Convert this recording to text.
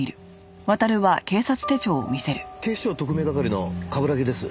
警視庁特命係の冠城です。